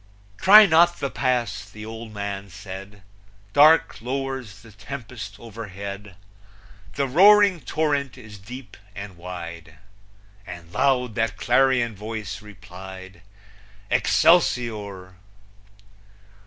"Try not the Pass," the old man said; "Dark lowers the tempest overhead, The roaring torrent is deep and wide!" And loud that clarion voice replied, Excelsior!